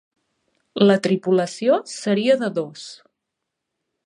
La tripulació seria de dos.